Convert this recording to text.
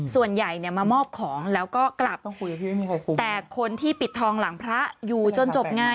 ส่วนใหญ่เนี่ยมามอบของแล้วก็กลับแต่คนที่ปิดทองหลังพระอยู่จนจบงาน